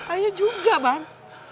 ayah juga bang